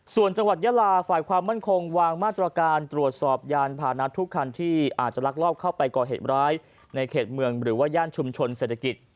ส่วนจังหวัดยาลาฝ่ายความมั่นคงวางมาตรการตรวจสอบยานพานะทุกคันที่อาจจะลักลอบเข้าไปก่อเหตุร้ายในเขตเมืองหรือว่าย่านชุมชนเศรษฐกิจ